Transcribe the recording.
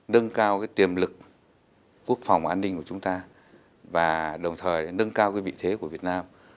nâng cao tiềm lực quốc phòng an ninh của chúng ta và đồng thời nâng cao vị thế của việt nam